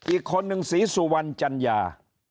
อีกคนนึงศรีสุวรรณจัญญา